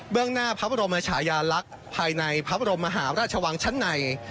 หน้าพระบรมชายาลักษณ์ภายในพระบรมมหาราชวังชั้นใน